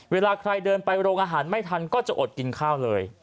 เวลาใครเดินไปโรงอาหารไม่ทันก็จะอดกินข้าวเลย